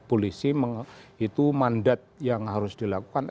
polisi itu mandat yang harus dilakukan